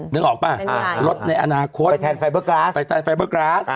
นึกออกป่ะรถในอนาคตไปแทนไฟเบอร์กร้าส